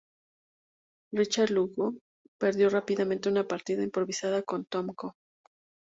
Richards luego perdió rápidamente una partida improvisada con Tomko.